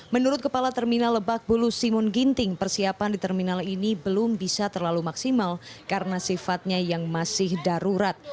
menurut kepala terminal lebak bulus simun ginting persiapan di terminal ini belum bisa terlalu maksimal karena sifatnya yang masih darurat